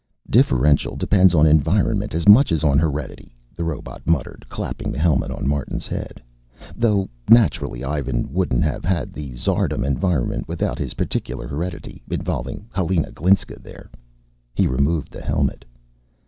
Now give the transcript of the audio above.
"Differential depends on environment as much as on heredity," the robot muttered, clapping the helmet on Martin's head. "Though naturally Ivan wouldn't have had the Tsardom environment without his particular heredity, involving Helena Glinska there!" He removed the helmet.